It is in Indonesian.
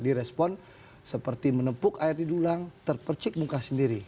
direspon seperti menepuk air di dulang terpercik muka sendiri